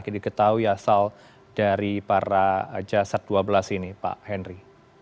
jadi ketahui asal dari para jasad dua belas ini pak henry